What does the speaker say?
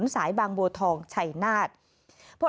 สายบางโบทองชัยนาธ